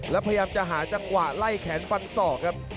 แล้วพยายามจะหาจังหวะไล่แขนฟันศอกครับ